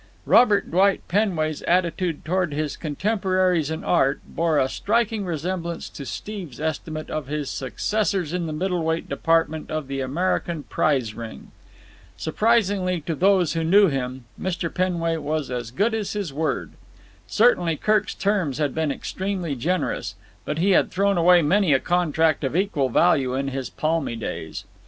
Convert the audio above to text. Robert Dwight Penway's attitude toward his contemporaries in art bore a striking resemblance to Steve's estimate of his successors in the middle weight department of the American prize ring. Surprisingly to those who knew him, Mr. Penway was as good as his word. Certainly Kirk's terms had been extremely generous; but he had thrown away many a contract of equal value in his palmy days.